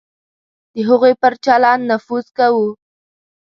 د هغوی پر چلند نفوذ کوو.